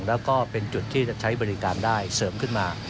แล้วก็เป็นจุดที่จะใช้บริการได้เสริมขึ้นมา